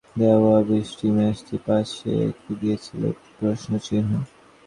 ফাগুনে হঠাৎ সন্ত্রাস হয়ে দেখা দেওয়া বৃষ্টি ম্যাচটির পাশেই এঁকে দিয়েছিল প্রশ্নচিহ্ন।